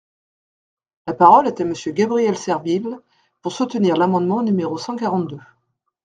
La parole est à Monsieur Gabriel Serville, pour soutenir l’amendement numéro cent quarante-deux.